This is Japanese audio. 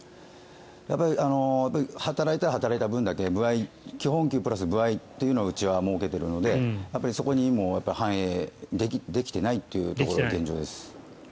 働いたら働いた分だけ基本給プラス歩合というのをうちは設けているのでそこにも反映できていないというところが現状です。